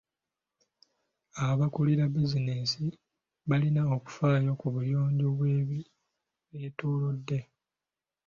Abakulira bizinensi balina okufaayo ku buyonjo bw'ebibeetoolodde.